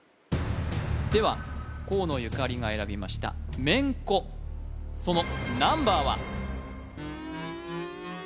では河野ゆかりが選びましためんこそのナンバーは？